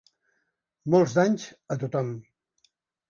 Molts d’anys a tothom!